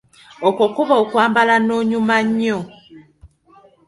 Okwo kuba okwambala n'onyuma nnyo.